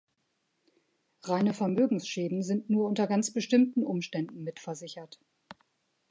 Reine Vermögensschäden sind nur unter ganz bestimmten Umständen mitversichert.